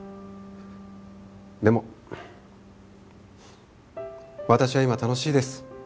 でも私は今楽しいです。